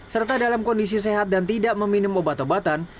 serta dalam kondisi sehat dan tidak meminum obat obatan